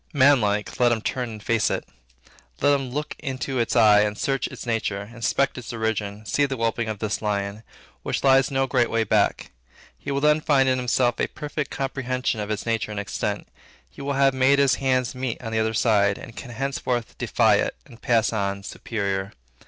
Manlike let him turn and face it. Let him look into its eye and search its nature, inspect its origin, see the whelping of this lion, which lies no great way back; he will then find in himself a perfect comprehension of its nature and extent; he will have made his hands meet on the other side, and can henceforth defy it, and pass on superior.